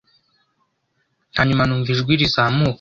Hanyuma numva ijwi rizamuka